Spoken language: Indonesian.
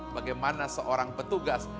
bagaimana seorang petugas